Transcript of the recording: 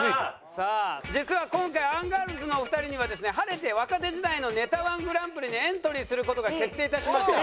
さあ実は今回アンガールズのお二人にはですね晴れて若手時代のネタ−１ＧＰにエントリーする事が決定いたしました。